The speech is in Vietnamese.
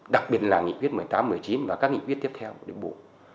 đặc biệt là nghị quyết một mươi tám một mươi chín và các nghị quyết tiếp theo của đường bộ